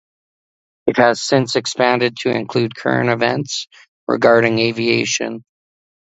It has since expanded to include current events regarding aviation.